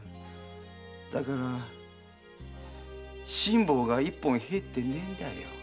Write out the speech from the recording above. だから心棒が一本入ってないんだよ。